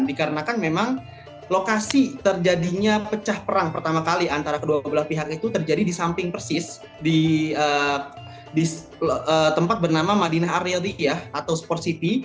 dikarenakan memang lokasi terjadinya pecah perang pertama kali antara kedua belah pihak itu terjadi di samping persis di tempat bernama madinah ariel rikiyah atau sport city